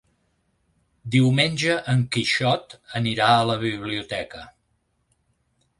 Diumenge en Quixot anirà a la biblioteca.